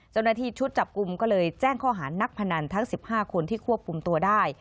เจ้าหน้าที่ชุดจับกลุ่มก็เลยแจ้งข้อหานักพนันทั้ง๑๕คนที่ควบคุมตัวได้